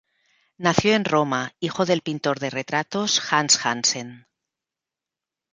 Nació en Roma, hijo del pintor de retratos Hans Hansen.